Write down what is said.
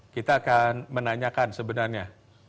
kita akan menanyakan sebenarnya